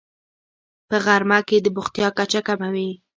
په غرمه کې د بوختیا کچه کمه وي